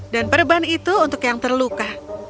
dan perban itu untuk yang terluka